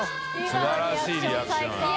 素晴らしいリアクションよ。